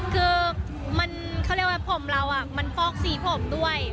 คือเขาเรียกว่าผมเรามันฟอกสีผมด้วย